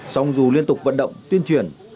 xong dù liên tục vận động tuyên truyền